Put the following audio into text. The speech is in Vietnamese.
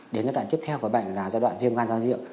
đến giai đoạn tiếp theo của bệnh là giai đoạn viêm gan do rượu